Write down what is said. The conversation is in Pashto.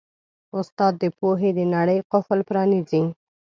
استاد د پوهې د نړۍ قفل پرانیزي.